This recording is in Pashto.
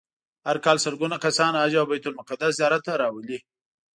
هر کال سلګونه کسان حج او بیت المقدس زیارت ته راولي.